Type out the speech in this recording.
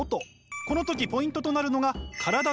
この時ポイントとなるのが体です。